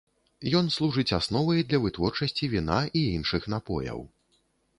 Ён служыць асновай для вытворчасці віна і іншых напояў.